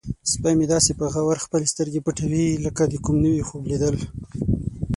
سپی مې داسې په غور خپلې سترګې پټوي لکه د کوم نوي خوب لیدل.